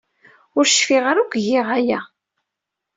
Ur cfiɣ ara akk giɣ aya.